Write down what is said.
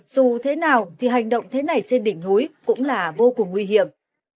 dù thế nào thì hành động thế này trên đỉnh núi cũng là vô cùng nguy hiểm